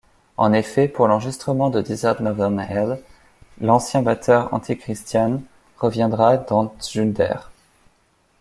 En effet, pour l'enregistrement de Desert Northern Hell, l'ancien batteur Anti-Christian reviendra dans Tsjuder.